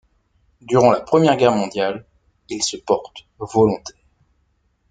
Durant la Première Guerre mondiale, il se porte volontaire.